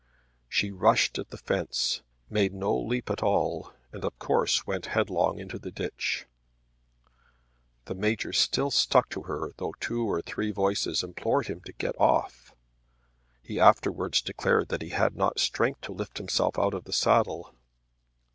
She rushed at the fence, made no leap at all, and of course went headlong into the ditch. The Major still stuck to her though two or three voices implored him to get off. He afterwards declared that he had not strength to lift himself out of the saddle.